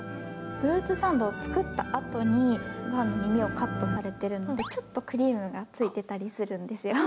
フルーツサンドを作ったあとに、パンの耳をカットされてるので、ちょっとクリームがついてたりするんですよ。